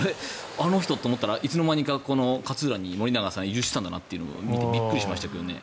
あの人と思ったらいつの間にか勝浦に森永さん移住してたんだなというのを見てびっくりしましたけどね。